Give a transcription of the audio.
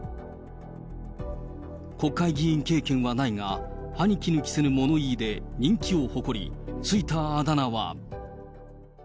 国会議員経験はないが、歯に衣着せぬ物言いで人気を誇り、付いたあだ名は。